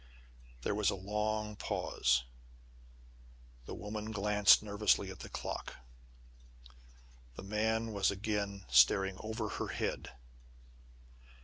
There was a long pause. The woman glanced nervously at the clock. The man was again staring over her head.